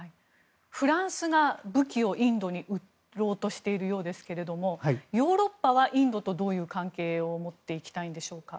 フランスが武器をインドに売ろうとしているようですがヨーロッパはインドとどういう関係を持っていきたいんでしょうか。